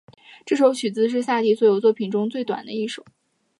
这首曲子是萨提的所有作品中最短的一首。